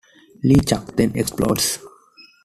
LeChuck then explodes.